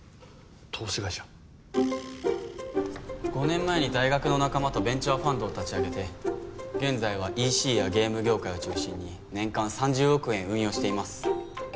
５年前に大学の仲間とベンチャーファンドを立ち上げて現在はＥＣやゲーム業界を中心に年間３０億円運用しています。